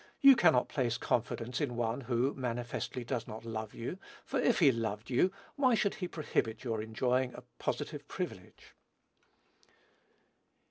you cannot place confidence in one who, manifestly, does not love you; for, if he loved you, why should he prohibit your enjoying a positive privilege?"